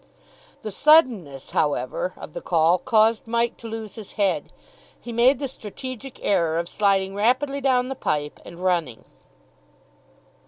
The suddenness, however, of the call caused Mike to lose his head. He made the strategic error of sliding rapidly down the pipe, and running.